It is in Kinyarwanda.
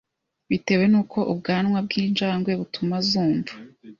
Bitewe n’uko ubwanwa bw’injangwe butuma zumva